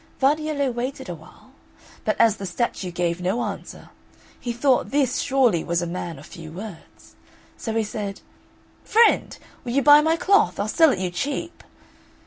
Vardiello waited awhile; but as the statue gave no answer, he thought this surely was a man of few words. So he said, "Friend, will you buy my cloth? I'll sell it you cheap."